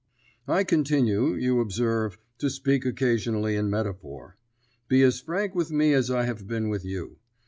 I continue, you observe, to speak occasionally in metaphor. Be as frank with me as I have been with you.